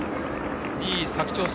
２位、佐久長聖。